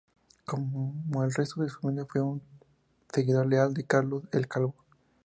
Como el resto de su familia, fue un seguidor leal de Carlos el Calvo.